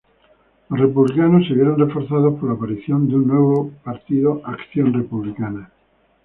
Los republicanos se vieron reforzados por la aparición de un nuevo partido Acción Republicana.